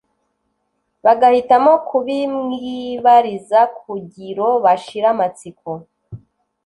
bagahitamo kubimwibariza kugiro bashire amatsiko.